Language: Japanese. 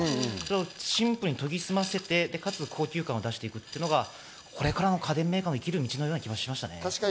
シンプルに研ぎ澄ませてかつ高級感を出しているというのが、これからの家電メーカーの生きる道な気がしましたね。